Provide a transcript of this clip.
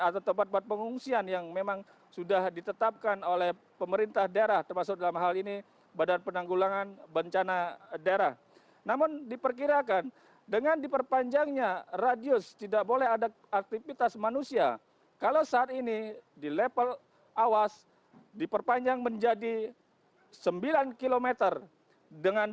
atau terbuka atau di mana mana